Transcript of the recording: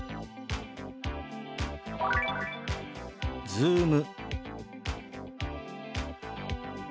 「Ｚｏｏｍ」。